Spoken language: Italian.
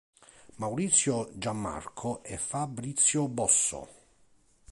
Maurizio Giammarco e Fabrizio Bosso.